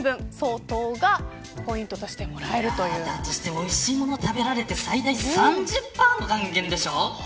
おいしいもの食べられて最大３０％も還元されるんでしょう。